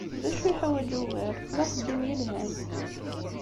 D acu yeḥwaǧ ugar, d axeddim yelhan.